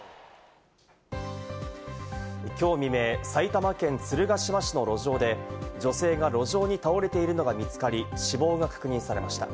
きょう未明、埼玉県鶴ヶ島市の路上で女性が路上に倒れているのが見つかり、死亡が確認されました。